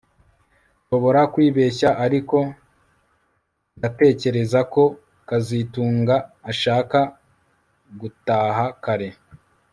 Nshobora kwibeshya ariko ndatekereza ko kazitunga ashaka gutaha kare